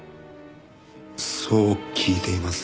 そう聞いています。